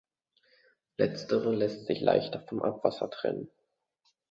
Letztere lässt sich leichter vom Abwasser trennen.